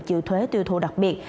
chịu thuế tiêu thụ đặc biệt